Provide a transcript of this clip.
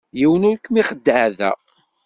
Yiwen ur kem-ixeddeε da.